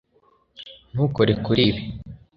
ntukore kuri ibi